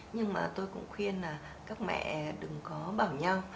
nhưng mà tôi cũng khuyên là các mẹ đừng có bảo nhau